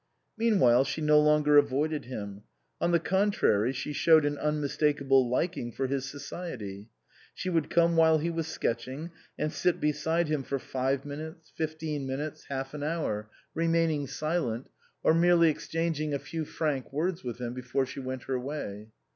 Meanwhile she no longer avoided him ; on the contrary, she showed an unmis takeable liking for his society. She would come while he was sketching, and sit beside him for five minutes, fifteen minutes, half an hour, 52 INLAND remaining silent, or merely exchanging a few frank words with him before she went her way.